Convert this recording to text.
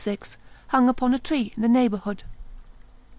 hung upon a tree in the neighborhood.